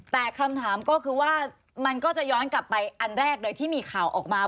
แต่คำถามก็คือว่ามันก็จะย้อนกลับไปอันแรกเลยที่มีข่าวออกมา